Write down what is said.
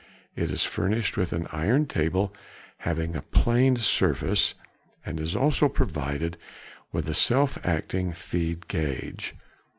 It is furnished with an iron table having a planed surface, and is also provided with a self acting feed gauge.